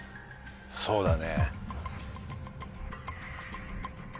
そうだね。